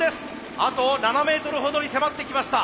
あと７メートルほどに迫ってきました。